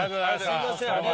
すみません。